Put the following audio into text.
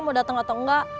mau datang atau enggak